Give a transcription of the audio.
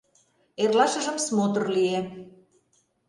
Эрлашыжым смотр лие.